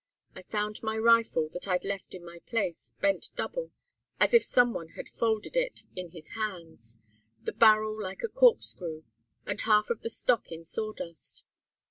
I found my rifle, that I'd left in my place, bent double, as if some one had folded it in his hands, the barrel like a corkscrew, and half of the stock in sawdust.